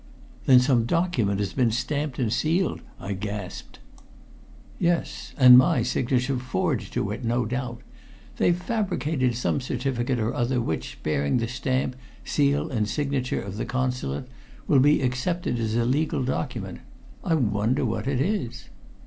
"Then some document has been stamped and sealed!" I gasped. "Yes. And my signature forged to it, no doubt. They've fabricated some certificate or other which, bearing the stamp, seal and signature of the Consulate, will be accepted as a legal document. I wonder what it is?"